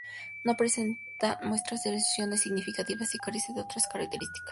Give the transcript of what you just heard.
No presenta muestras de erosión significativas y carece de otras características distintivas relevantes.